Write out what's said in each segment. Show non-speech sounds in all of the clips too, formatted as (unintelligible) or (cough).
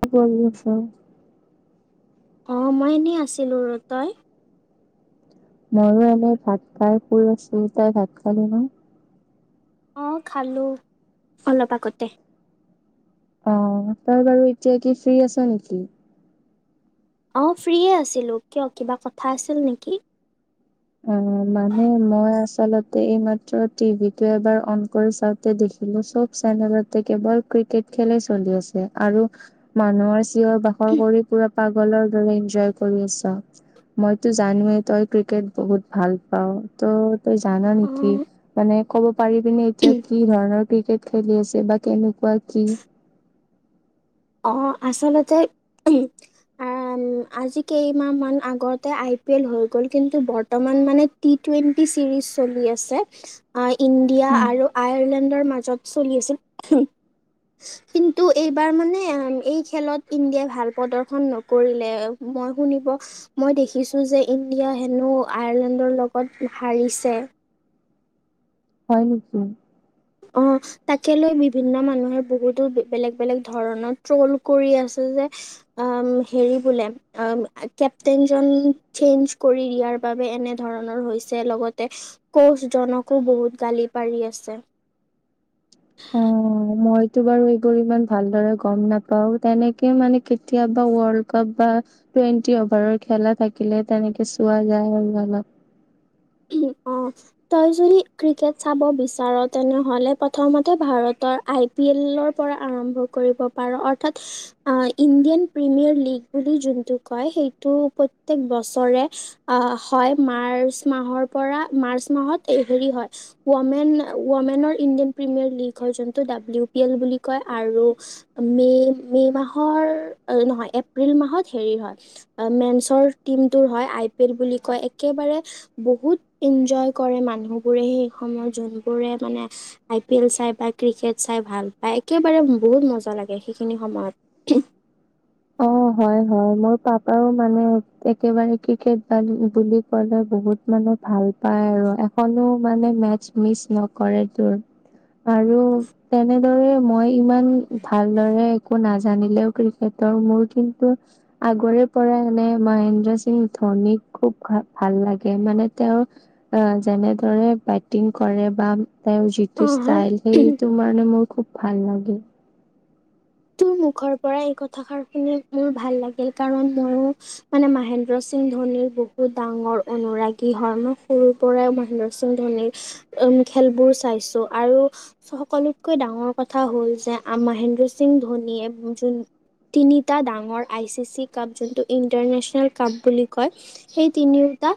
দছ বছৰ। অ মই এনেই আছিলো ৰ তই। ময়ো এনে ভাত খাই ফোৰ চৰিটাই ভাত খালো ন। আহ খালো, অলপ আগতে। অ তই বাৰু এতিয়া কি ফ্ৰ্ৰী আছ নেকি। অ ফ্ৰী আছিলো কিয় কিবা কথা আছিল নেকি? অ মানে মই আছো। আচলতে এইমাত্ৰ টিভি টো এবাৰ অন কৰি চাওঁতে দেখিলো চব চেনেলতে কেৱল। খেলে চলি আছে আৰু, মানুহৰ চিঞৰ বাখৰ কৰি পুৰা পাগলৰ দৰে কৰি আছ মই জানোৱে ক্ৰীকেট। বহুত ভাল পাও ত' তই জান নেকি অঁ মানে ক'ব। পাৰি পিনে এতিয়া কি ধৰণৰ ক্ৰিকেট খেলি আছে বা কেনেকুৱা কি। অ আচলতে। (unintelligible) আজি কেইমাহ মান আগতে আই পি এল হৈ গল কিন্তু বৰ্তমান মানে। টোৱেনটি চিৰিছ চলি আছে ইন্ডিয়া আৰু আয়াৰলেণ্ডৰ মাজত চলি আছিল কিন্তু এইবাৰ মানে। এই খেলত ইণ্ডিয়াই ভাল প্ৰদৰ্শন নকৰিলে। মই শুনিব, মই দেখিছো যে ইণ্ডিয়া হেনো আয়াৰলেণ্ডৰ লগত হাৰিছে। হয় নিকি? অ তাকে লৈ বিভিন্ন মানুহে বহুতো বেলেগ বেলেগ ধৰণৰ ট্ৰল কৰি আছে। যে হেৰি বোলে অ কেপ্টেইনজন চেঞ্জ কৰি দিয়াৰ বাবে এনেধৰণৰ হৈছে। লগতে কোচজনকো বহুত গালি পাৰি আছে। অ। মইতো বাৰু এইবোৰ ইমান ভালদৰে গম নাপাও। তেনেকে মানে কেতিয়াবা ৱৰ্ল্ড কাপ বা টুৱেণ্টি অভাৰৰ খেলা থাকিলে তেনেকে চোৱা যায় অলপ। অ তই যদি ক্ৰিকেট চাব বিচাৰ তেনেহলে প্ৰথমতে ভাৰত আই পি এলৰ পৰা আৰম্ভ কৰিব পাৰ। অৰ্থাৎ ইণ্ডিয়ান প্ৰিমিয়াৰ লীগ। যোনটো কয় সেইটো প্ৰতেক বছৰে অ হয় মাৰ্চ মাহৰ পৰা মাৰ্চ মাহত হেৰি হয় ৱমেন ৱমেনৰ ইণ্ডিয়ান প্ৰিমিয়াৰ লীগ হয়। যোনটো ডাব্লিও পি এল বুলি ক'য় আৰু মে' মাহৰ নহয় এপ এপ্ৰিল মাহত হেৰি হয় মেনচৰ টিমটো হয় আই পি এল বুলি কয়। একেবাৰে বহুত ইনজয় কৰে মানুহবোৰে সেই সময়ত, যোনবোৰে মানে আই পি এল চাই বা ক্ৰিকেট চাই ভাল পায়। একেবাৰে বহুত মজা লাগে সেইখিনি সময়ত। অ। অ, হয়-হয় মোৰ পাপাও মানে একেবাৰে ক্ৰিকেট বা বুলি কলে বহুত মানে ভাল পায় আৰু এখনো মানে মেটচ মিচ নকৰে তোৰ। আৰু তেনেদৰে মই ইমান ভালদৰে একো নাজানিলেও ক্ৰিকেট ত মই কিন্তু আগৰে পৰা মানে মহেন্দ্ৰ সিং ধোনিক খুব ভ ভাল লাগে। মান মানে তেওঁ আহ যেনেদৰে বেটিং কৰে বা তেওঁৰ অ যিটো ষ্টাইল হয়। সেইটো কাৰণে মোৰ খুব ভাল লাগে। তোৰ মুখৰ পৰা এই কথাষাৰ শুনি মোৰ ভাল লাগিল। কাৰণ ময়ো মানে মহেন্দ্ৰ সিং ধোনিৰ বহুত ডাঙৰ অনুৰাগী হয়। মই সৰুৰ পৰাই মহেন্দ্ৰ সিং ধোনিৰ খেলবোৰ চাইছোঁ আৰু সকলোতকৈ ডাঙৰ কথা হ'ল যে আমা মহেন্দ্ৰ সিং ধনী এ যোন তিনিটা ডাঙৰ আই চি চি কাপ যোনটো ইণ্টাৰনেচনেল কাপ বুলি কয়। সেই তিনিও টা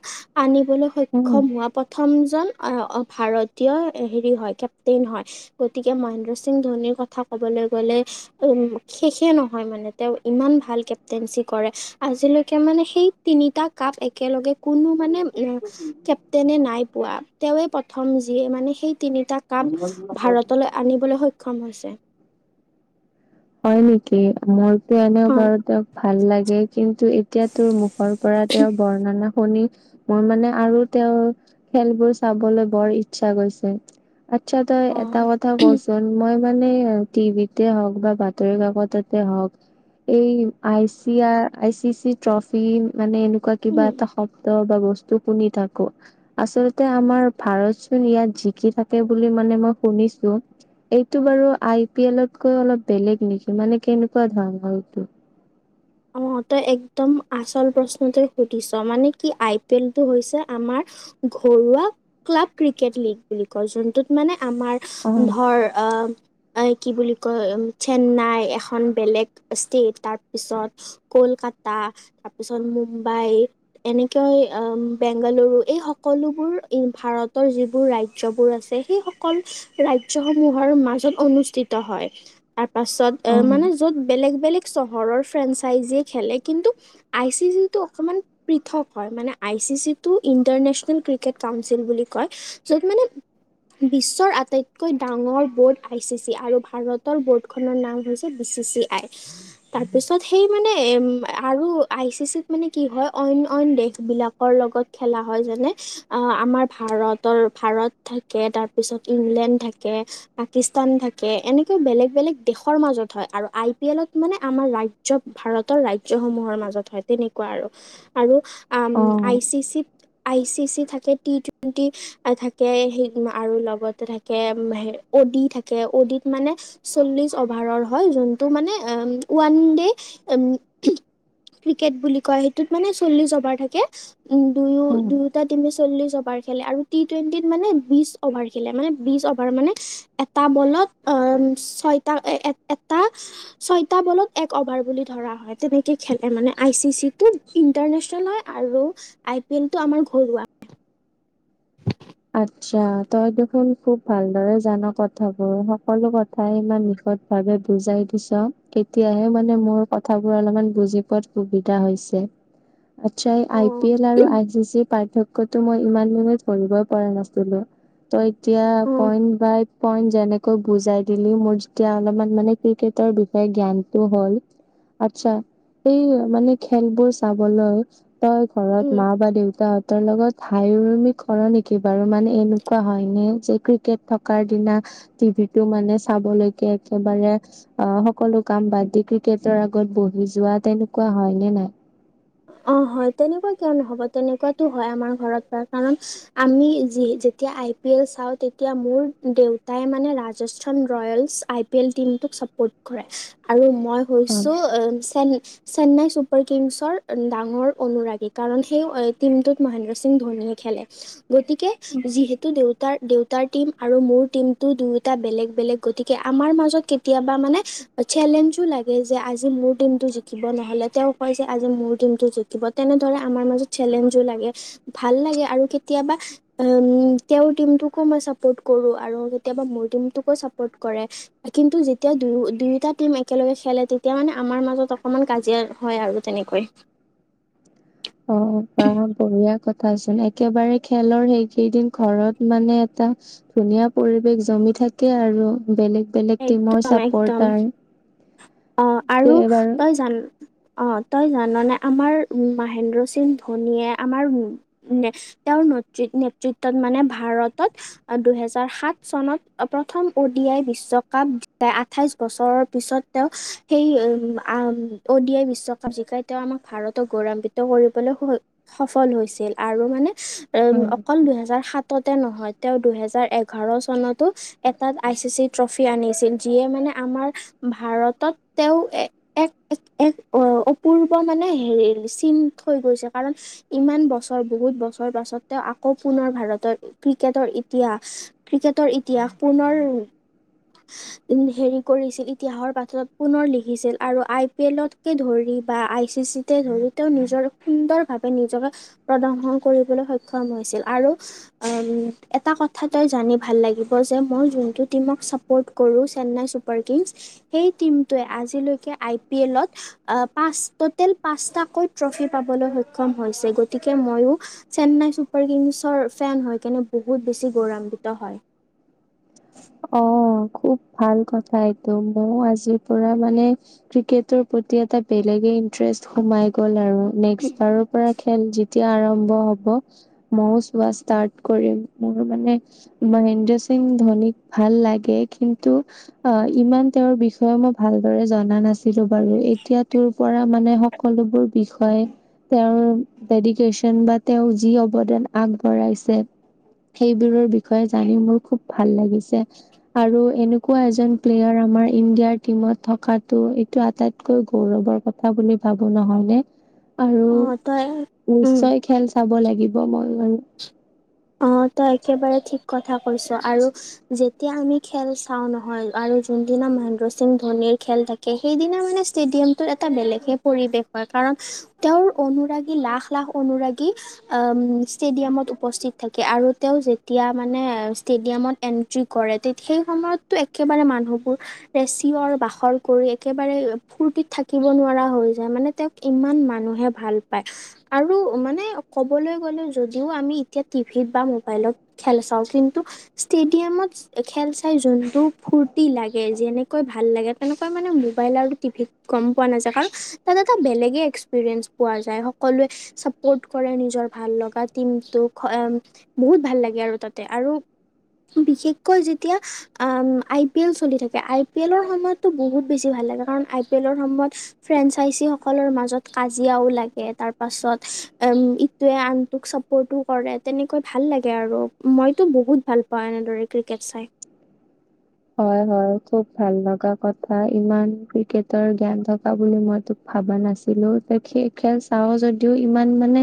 আনিবলৈ উম সক্ষম হোৱা প্ৰথমজন আহ অ ভাৰতীয় হেৰি হয় কেপ্তেইন হয়। গতিকে মহেন্দ্ৰ সিং ধোনিৰ কথা ক'বলে গ'লে উ শেষে নহয় মানে। তেওঁ ইমান ভাল কেপটেনঞ্চি কৰে আজিলৈকে মানে সেই টি তিনিতা কাপ একেলগে কোনো মানে কেপ্তেইনে নাই পোৱা। তেৱে প্ৰথম যি মানে সেই তিনিটা কাপ ভাৰতলৈ আনিবলৈ সক্ষম হৈছে। হয় নেকি? মোৰ এনেও হয় বাৰু তেওঁক ভাল লাগে। কিন্তু এতিয়া তোৰ মুখৰ পৰা তেওঁৰ বৰ্ণনা শুনি মোৰ মানে আৰু তেওঁৰ খেলবোৰ চাবলৈ বৰ ইচ্ছা গৈছে। আচ্ছা তই এটা কথা কচোন মই মানে টিভিতে হওক বা বা বাতৰি কাকততে হওক এই আই চি আ, আই চি চি ট্ৰফি মানে এনেকুৱা কিবা অঁ এটা শব্দ বাব বস্তু শুনি থাকো। আচলতে আমাৰ ভাৰত চোন ইয়াত জিকি থাকে বুলি মানে মই শুনিছোঁ। এইটো আৰু আ পি এলত কৈ অলপ বেলেগ। নেকি মানে? কেনেকুৱা ধৰণৰ এইটো? অ তই একদম আচল প্ৰশ্নটোই সুধিছ, মানে কি আই পি এল টো হৈছে আমাৰ ঘৰুৱা ক্লাব, ক্ৰিকেট লীগ বুলি কয়। যোনটোত মানে আমাৰ অ', ধৰ অ এই কি বুলি কয়, চেন্নাই এখন বেলেগ ষ্টেট তাৰপিছত কলকাতা তাৰপিছত মুম্বাই, এনেকৈ বেংগালুৰু এই সকলোবোৰ ভাৰতৰ যিবোৰ ৰাজ্যবোৰ আছে সেই সকল ৰাজ্য সমূহৰ মাজত অনুষ্ঠিত হয়। তাৰপাছত মানে অ', য'ত বেলেগ -বেলেগ চহৰৰ ফ্ৰেন্স তাই যি খেলে কিন্তু আই চি চিটো অক'মান প্ৰিথক হয় মানে আই চি চিটো নেশনেল‌ ক্ৰিকেট কাউনচিল বোলি কয় য'ত মানে বিশ্বৰ আটাইতকৈ ডাঙৰ বোৰ্ড আই চি চি আৰু ভাৰতৰ বোৰ্ডখনৰ নাম হৈছে বিশ্ব (unintelligible) আই তাৰ পিছত সেই মানে আৰু আই চি চিত মানে কি হয় অইন -অইন দেশবিলাকৰ লগত খেলা হয়, যেনে অ' আমাৰ ভাৰতৰ ভাৰত থাকে। তাৰপিছত ইংলেণ্ড থাকে পাকিস্তান থাকে এনেকৈও বেলেগ -বেলেগ দেশৰ মাজত হয় আৰু আই পি এলত মানে আমাৰ ৰাজ ৰাজ্য ভাৰতৰ ৰাজ্য সমূহৰ মাজত হয় তেনেকুৱা আৰু -আৰু আম অ', I C C I C C থাকে টি টুৱেণ্টি থাকে আৰু লগতে থাকে অ ডি দথাকে অডিত মানে চল্লিশ অভাৰৰ হয় যোনটো মানে ওৱান দে উম, ক্ৰিকেট বুলি কয় সেইটোত মানে চল্লিছ অভাৰ থাকে। উম, দুয়ো- অ'। দুয়োটা তিমে চল্লিশ অভাৰ খেলে আৰু টি -টুৱেণ্টিত মানে বিছ অভাৰ খেলে মানে বিছ অভাৰ মানে এটা বলত এম ছয়টা এটা, ছয়টা বলত এক অভাৰ বুলি ধৰা হয় তেনেকে খেলে মানে আই চি চি টো ইন্টাৰনেচনেল হয় আৰু আই পি এল টো তোমাৰ ঘৰুৱা (inaudible) আচ্ছা তই দেখোন খুব ভালদৰে জান কথাবোৰ সকলো কথাই ইমান নিষ ভাৱে বুজাই দিছ তেতিয়াহে মানে মোৰ কথাবোৰ অলপমান বুজি পোৱাত সুবিধা হৈছে আচ্ছা এ' অ আই পি এল আৰু আৰ চি চি পাৰ্থক্যটা মই ইমান মানে ধৰিব পৰা নাছিলোঁ ত' এতিয়া অ পইন বাই পইন যেনে বুজাই দিলি মোৰ যেতিয়া অলপমান মানে ক্ৰিকেটৰ বিষয়ে জ্ঞানটো হ'ল আচ্ছা এই মানে খেলবোৰ চাবলৈ তই ঘৰত উম মা বা দেউতাহঁতৰ লগত হাইউৰুমি কৰ নেকি? কি বাৰো মানে এনেকুৱা হয় নে যে ক্ৰিকেট থকাৰ দিনা টিভি টো মানে চাবলৈকে একেবাৰে অ' সকলো কাম বাদ দি ক্ৰিকেটৰ আগত বহি যোৱা তেনেকুৱা হয় নে নাই? (inaudible) অহ, হয় তেনেকুৱা কিয় নহব তেনেকুৱাতো হয় আমাৰ ঘৰত পৰা কাৰণ আমি যি যেতিয়া আই পি এল চাওঁ তেতিয়া মোৰ দেউতাই মানে Rajasthan Royals I P L team টোক চাপৰ্ট কৰে আৰু মই হৈছো হয়। চে -চেন্নাই চুপাৰ কিংছৰ ডাঙৰ অনুৰাগী কাৰণ সেই টিমটোত মহেন্দ্ৰ সিং ধনীয়ে খেলে গতিকে যিহেতু দেউতা তাৰ দেউতাৰ টিম আৰু মোৰ টিমটো দুয়োটা বেলেগ- বেলেগ গতিকে আমাৰ মাজত কেতিয়াবা মানে চেলেঞ্জও লাগে যে আজি মোৰ টিমটো জিকিব নহলে তেওঁ কয় যে আজি মোৰ কোনটো জিকিব তেনেদৰে আমাৰ মাজত চেলেঞ্জও লাগে। ভাল লাগে আৰু কেতিয়াবা উম, তেওঁৰ টিমটোকো মই চাপৰ্ট কৰো আৰু কেতিয়াবা মোৰ টিমটোকো চাপৰ্ট কৰে কিন্তু যেতিয়া তেতিয়া দুয়ো -দুয়োটা টিম একেলগে খেলে তেতিয়া মানে আমাৰ মাজত অকমান কাজিয়া হয় আৰু তেনেকৈ অহ, বা বঢ়িয়া কথাচোন একেবাৰে খেলৰ সেইকেইদিন ঘৰত মানে এটা এটা ধুনীয়া পৰিৱেশ জমি থাকে আৰু বেলেগ -বেলেগ টিমৰ চাপৰ্টাৰ অহ, আৰু তই এইবাৰ জান অহ, তই জাননে আমাৰ মাহেন্দ্ৰ সিং ধনীয়ে আমাৰ উ তেওঁৰ নেতৃত্বত মানে ভাৰতত দুহেজাৰ সাত চনত প্ৰথম অ ডি আই বিশ্বকাপ যাই আঠাইছ বছৰৰ পিছত তেওঁ সেই অ ডি আই বিশ্বকাপ জিকাই তেওঁ আমাক ভাৰতক গৌৰৱিত কৰিবলৈ সফল হৈছিল আৰু মানে উম অকল দুহেজাৰ সাতত নহয়, তেওঁ দুহেজাৰ এঘাৰ চনতো এটাত আই চি চি ট্ৰফি আনিছিল যিয়ে মানে আমাৰ ভাৰতত তেওঁ এক এক অপ মানে হে চিন থৈ গৈছে কাৰণ ইমান বছৰ বহুত বছৰ পাছত তেওঁ আকৌ পুনৰ ভাৰতৰ ক্ৰিকেটৰ ইতিহাস ক্ৰিকেটৰ ইতিহাস পুনৰ উ হেৰি কৰিছিল ইতিহাসৰ পথত পুনৰ লিখিছিল আৰু আই পি এলতকে ধৰি বা আই চি চিতে ধৰি তেওঁ নিজৰ সুন্দৰভাৱে নিজকে প্ৰদৰ্শন কৰিবলৈ সক্ষম হৈছিল আৰু উ এটা কথা তই জানি ভাল লাগিব যে মই যোনটো টিমক ছাপৰ্ট কৰো চেন্নাই ছুপাৰ কিংছ সেই টিমটোৱে আজিলৈকে আই পি এলত পাঁচ পটেল পাঁচটাকৈ পাবলৈ সক্ষম হৈছে গতিকে মইও চেন্নাই চুপাৰ কিংছৰ ফেন হয় কেনে বহুত বহুত বেছি গৌৰৱান্বিত হয়। (inaudible) অ খুব ভাল কথা এটো মইয়ো আজিৰ পৰা মানে ক্ৰিকেটৰ প্ৰতি এটা বেলেগে ইণ্টাৰেষ্ট সোমাই গল আৰু নেক্স বাৰৰ পৰা খেল এতিয়া আৰম্ভ হব ময়ো চোৱা ষ্টাৰ্ট কৰিম মোৰ মানে মহেন্দ্ৰ সিং ধোনিক ভাল লাগে কিন্তু অ ইমান তেওঁৰ বিষয়ে মই ভালদৰে জনা নাছিলো। ছিলো বাৰু এতিয়া তোৰ পৰা মানে সকলোবোৰ বিষয়ে তেওঁৰ ডেডিকেশ্বন বা তেওঁৰ যি অৱদান আগবঢ়াইছে। সেইবোৰৰ বিষয়ে জানি মোৰ খুব ভাল লাগিছে। আৰু এনেকুৱা এজন প্লেয়াৰ আমাৰ ইণ্ডিয়াৰ টিমত থকাটো এইটো আটাইতকৈ গৌৰৱৰ কথা বুলি ভাবো নহয় নে আৰু অঁ তই উম নিশ্চয় খেল। চাব লাগিব মইও বাৰু। অ তই একেবাৰে ঠিক কথা কৈছ আৰু যেতিয়া আমি খেল চাও নহয় আৰু যোনদিনা মহেন্দ্ৰ সিং ধোনিৰ খেল থাকে সেইদিনা মানে ষ্টেডিয়ামটোত এটা এটা বেলেগহে পৰিৱেশ হয় কাৰণ তেওঁৰ অনুৰাগী লাখ-লাখ অনুৰাগী উম ষ্টেডিয়ামত উপস্থিত থাকে আৰু তেওঁ যেতিয়া মানে ষ্টেডিয়ামত এন্ট্ৰি কৰে সেই সময়তো একেবাৰে মা মানুহবোৰ চিয়ঁৰ-বাখৰ কৰি একেবাৰে ফূৰ্তিত থাকিব নোৱাৰা হৈ যায় মানে তেওঁক ইমান মানুহে ভাল পায় আৰু মানে ক'বলৈ গ'লে যদিও আমি এতিয়া টিভিত বা ম'বাইলত খেল চাওঁ কিন্তু ষ্টেডিয়ামত খেল চাই যোনটো ফূ ফূৰ্তি লাগে যেনেকৈ ভাল লাগে তেনেকৈ মানে মোবাইল আৰু টিভিত গম পোৱা নাযায় কাৰণ তাত এটা বেলেগে এক্সপিৰিয়েঞ্চ পোৱা যায় সকলোৱে ছাপৰ্ট কৰে নিজৰ ভাল লগা টিমটোক বহুত ভাল লাগে আৰু তাতে আৰু বিশেষকৈ যেতিয়া আইপিএল চলি থাকে আইপিএলৰ সময়তো বহুত বেছি ভাল লাগে কাৰণ আইপিএলৰ সময়ত ফ্ৰেঞ্চাইজি সকলৰ মাজত কাজিয়াও লাগে তাৰ পাছত উম ইটোয়ে আনটোক চাপৰ্ট কৰে তেনেকৈ ভাল লাগে আৰু মইতো বহুত ভাল পাওঁ এনেদৰে ক্ৰিকেট চাই। উম হয়-হয় খুব ভাল লগা কথা ইমান ক্ৰিকেটৰ জ্ঞান থকা বুলি মইটো ভাবা নাছিলো তই খেল চাওঁ যদিও ইমান মানে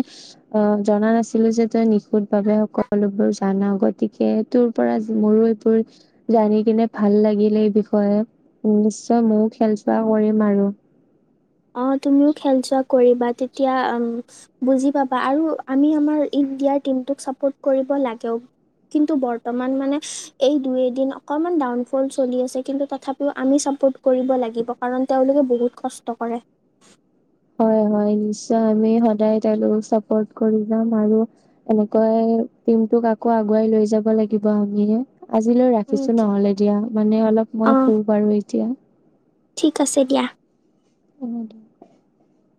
অ জনা নাছিলো যে তই নিশুতভাৱে সকলোবোৰ জান গতিকে তোৰ পৰা মোৰো এইবোৰ জানি কিনে ভাল লাগিল এই বিষয়ে নিশ্চয় ময়ো খেল চোৱা কৰিম আৰু অ তুমিও খেল চোৱা কৰিবা তেতিয়া আহ বুজি পাবা আৰু আমি আমাৰ ইন্দিৰাৰ টিমটোক চাপৰ্ট কৰি লাগেও কিন্তু বৰ্তমান মানে এই দুই এদিন অকমান ডাউনফল চলি আছে কিন্তু তথাপিও আমি চাব লাগিব কাৰণ তেওঁলোকে বহুত কষ্ট কৰে। হয়-হয় নিশ্চয় আমি সদায় তেওঁলোকক চাপৰ্ট কৰি যাম আৰু এনেকৈ টিমটোক আকৌ আগুৱাই লৈ যাব লাগিব আমি আজিলৈ উম ৰাখিছো নহলে দিয়া মানে অলপ অ মই শু বাৰু এতিয়া। ঠিক আছে দিয়া। অ